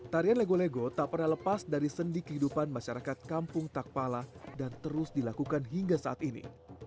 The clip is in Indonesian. tarian lego lego tak pernah lepas dari sendi kehidupan masyarakat kampung takpala dan terus dilakukan hingga saat ini